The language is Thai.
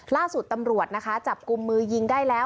ล่าสุดตำรวจนะคะจับกลุ่มมือยิงได้แล้ว